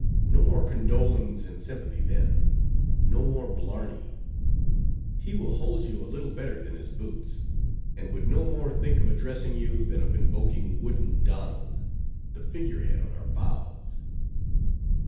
No more condolings and sympathy then; no more blarney; he will hold you a little better than his boots, and would no more think of addressing you than of invoking wooden Donald, the figure head on our bows."